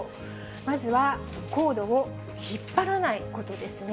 まずはコードを引っ張らないことですね。